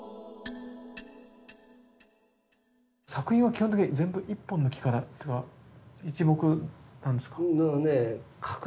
作品は基本的に全部一本の木からっていうか一木なんですか？